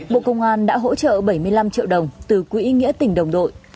bộ công an đã hỗ trợ bảy mươi năm triệu đồng từ quỹ nghĩa tỉnh đồng đội